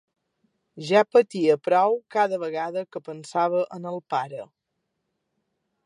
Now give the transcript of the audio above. Ja patia prou cada vegada que pensava en el pare.